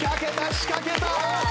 仕掛けた！